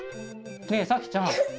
ねえさきちゃん